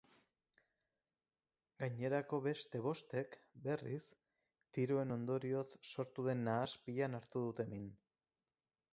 Gainerako beste bostek, berriz, tiroen ondorioz sortu den nahaspilan hartu dute min.